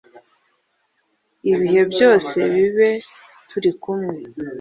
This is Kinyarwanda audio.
ibihe byose bibe turikumwe